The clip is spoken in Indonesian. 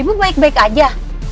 ibu baik baik aja